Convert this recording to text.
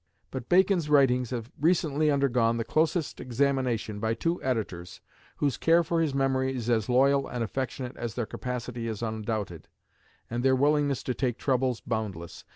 But Bacon's writings have recently undergone the closest examination by two editors, whose care for his memory is as loyal and affectionate as their capacity is undoubted, and their willingness to take trouble boundless.